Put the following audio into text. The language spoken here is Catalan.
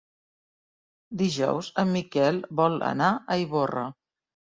Dijous en Miquel vol anar a Ivorra.